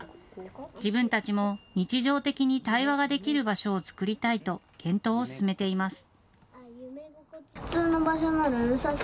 自分たちも日常的に対話ができる場所を作りたいと検討を進めています。